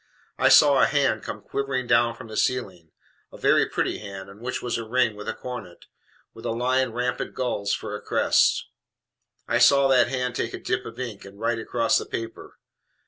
I saw a hand come quivering down from the ceiling a very pretty hand, on which was a ring with a coronet, with a lion rampant gules for a crest. I saw that hand take a dip of ink and write across the paper.